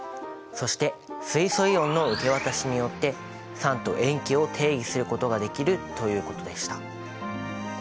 そして水素イオンの受け渡しによって酸と塩基を定義することができるということでした。